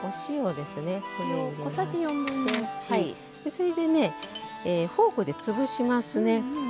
それでねフォークで潰しますね。